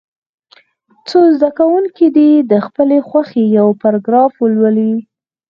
څو زده کوونکي دې د خپلې خوښې یو پاراګراف ولولي.